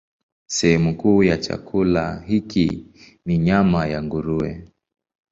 Sehemu kuu ya chakula hiki ni nyama ya nguruwe.